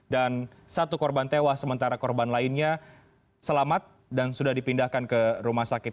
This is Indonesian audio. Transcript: dan satu korban tewas sementara korban lainnya selamat dan sudah dipindahkan ke rumah sakit